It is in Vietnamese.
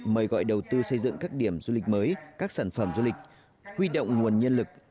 mời gọi đầu tư xây dựng các điểm du lịch mới các sản phẩm du lịch huy động nguồn nhân lực